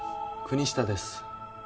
国下です。